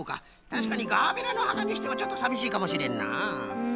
たしかにガーベラのはなにしてはちょっとさびしいかもしれんな。